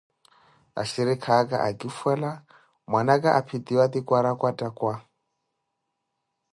Axhirikha aka, akifwela mwanaka, aphitiwa kwarakwattakwa.